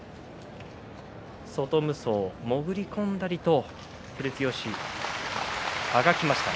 外無双、潜り込んだりと照強、あがきました。